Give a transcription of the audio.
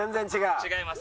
違います。